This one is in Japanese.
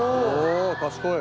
賢い！